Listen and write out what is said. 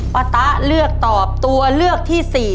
ตะเลือกตอบตัวเลือกที่๔